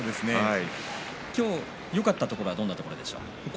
今日よかったところはどんなところですか。